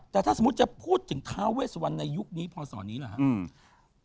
แต่ถ้าสมมุติจะพูดถึงท้าเวสวันในยุคนี้พศนี้หรือครับ